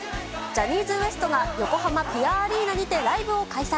ジャニーズＷＥＳＴが横浜ぴあアリーナにてライブを開催。